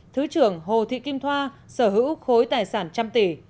thứ trưởng hồ thị kim thoa sở hữu khối tài sản trăm tỷ